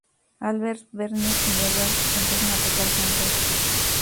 Albert, Bernie y Eduard empiezan a tocar juntos.